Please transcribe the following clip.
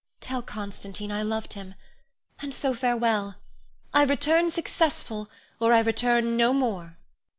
Tell Constantine I loved him, and so farewell. I return successful, or I return no more.